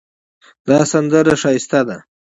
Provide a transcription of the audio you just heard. دا سندره ښایسته ده